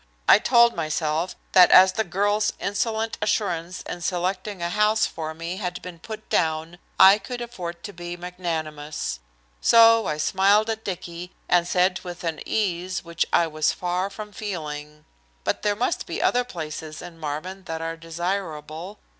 I told myself that as the girl's insolent assurance in selecting a house for me had been put down I could afford to be magnanimous. So I smiled at Dicky and said with an ease which I was far from feeling: "But there must be other places in Marvin that are desirable.